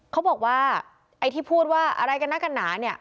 เขาบอกว่าไอ้ที่พูดว่าอะไรกันนะกันหนาเนี่ย